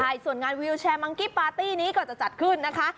ใช่ส่วนงานวิวแชร์มังกี้ปาร์ตี้นี้ก็จะจัดขึ้นนะคะ